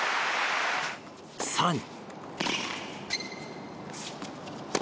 更に。